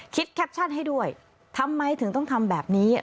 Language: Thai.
แคปชั่นให้ด้วยทำไมถึงต้องทำแบบนี้